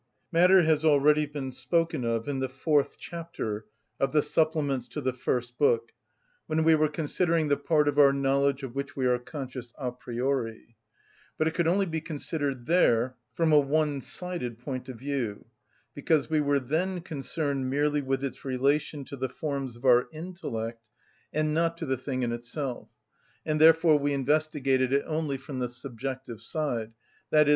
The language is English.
Matter has already been spoken of in the fourth chapter of the supplements to the first book, when we were considering the part of our knowledge of which we are conscious a priori. But it could only be considered there from a one‐sided point of view, because we were then concerned merely with its relation to the forms of our intellect, and not to the thing in itself, and therefore we investigated it only from the subjective side, _i.e.